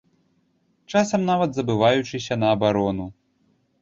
Часам нават забываючыся на абарону.